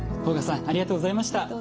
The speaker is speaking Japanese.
甲賀さんありがとうございました。